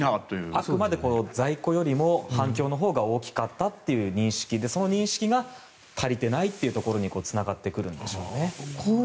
あくまで在庫よりも反響のほうが大きかったという認識でその認識が足りてないというところにつながってくるんでしょうね。